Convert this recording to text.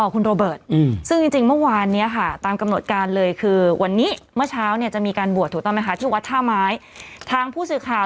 หมายถึงวมอื่มจนมาวันนี้เมื่อเช้าข้าวก็ไปรออยู่ที่วัดท่าไม้เหมือนกัน